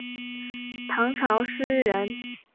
唐朝诗人。